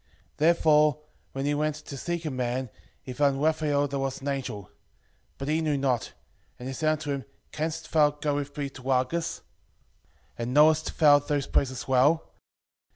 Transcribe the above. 5:4 Therefore when he went to seek a man, he found Raphael that was an angel. 5:5 But he knew not; and he said unto him, Canst thou go with me to Rages? and knowest thou those places well?